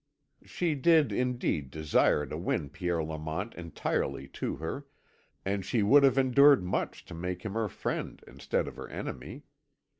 She did, indeed, desire to win Pierre Lamont entirely to her, and she would have endured much to make him her friend instead of her enemy.